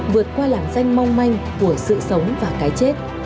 vượt qua làn danh mong manh của sự sống và cái chết